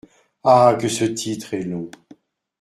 Ah ! que ce titre est long !